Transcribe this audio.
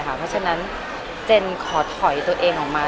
เพราะฉะนั้นเจนขอถอยตัวเองออกมา